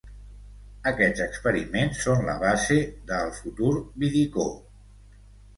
Aquests experiments són la base de el futur vidicó.